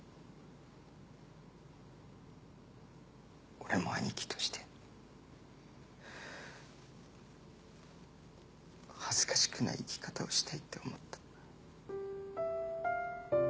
俺も兄貴として恥ずかしくない生き方をしたいって思った。